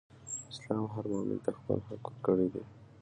اسلام هر مؤمن ته خپل حق ورکړی دئ.